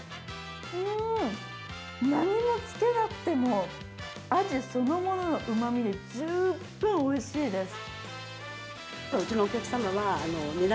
何もつけなくても、アジそのもののうまみで十分おいしいです。